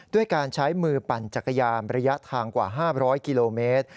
ด้วยการใช้มือปั่นจักรยานระยะทางกว่า๕๐๐กิโลเมตร